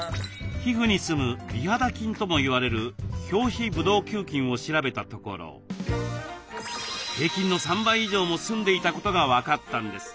皮膚にすむ美肌菌ともいわれる表皮ブドウ球菌を調べたところ平均の３倍以上もすんでいたことが分かったんです。